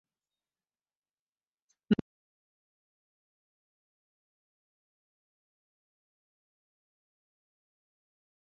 ma gwa ha ka ha si n'ọnụ ha na n'omume ha zisàá oziọma Kraistị.